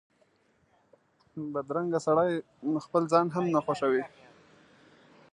بدرنګه سړی خپل ځان هم نه خوښوي